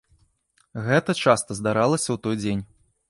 Гэта часта здаралася ў той дзень.